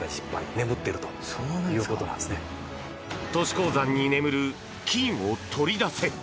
都市鉱山に眠る金を取り出せ！